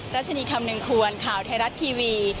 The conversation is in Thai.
รัชนีคำหนึ่งควรข่าวไทยรัฐทีวี